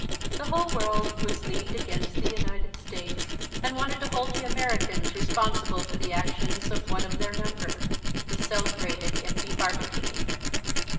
The whole world was leagued against the United States and wanted to hold the Americans responsible for the actions of one of their number the celebrated Impey Barbicane.